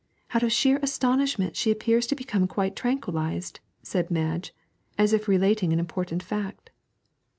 'Out of sheer astonishment she appears to become quite tranquillised,' said Madge, as if relating an important fact.